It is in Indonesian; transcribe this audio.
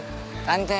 maaf banget ya pak